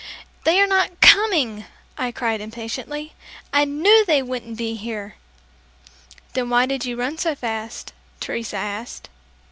"They are not coming!" I cried impatiently, "I knew they wouldn't be here!" "Then why did you run so fast?" Teresa asked.